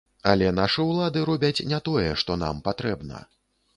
Але нашы ўлады робяць не тое, што нам патрэбна.